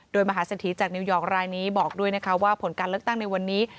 โดยมหาเศรษฐีจากนิวยอร์กรายนี้บอกด้วยนะคะว่าผลการเลือกตั้งในวันนี้